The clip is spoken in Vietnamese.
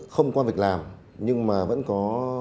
không quan việc làm nhưng mà vẫn có